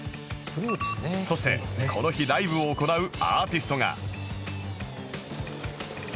そしてこの日ライブを行うアーティストが